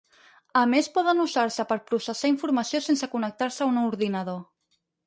A més poden usar-se per processar informació sense connectar-se a un ordinador.